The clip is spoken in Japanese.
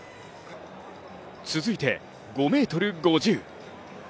続いて、５ｍ５０。